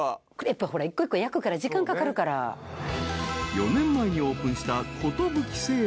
［４年前にオープンした］